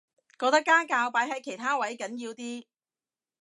覺得家教擺喺其他位緊要啲